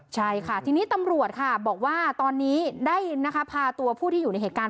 ใช่ค่ะทีนี้ตำรวจค่ะบอกว่าตอนนี้ได้พาตัวผู้ที่อยู่ในเหตุการณ์